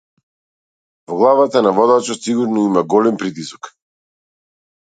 Во главата на водачот сигурно има голем притисок.